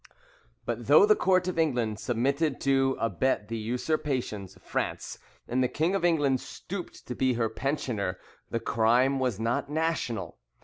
But though the court of England submitted to abet the usurpations of France, and the King of England stooped to be her pensioner, the crime was not national.